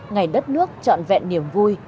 ngày đất nước chọn vẹn niềm vui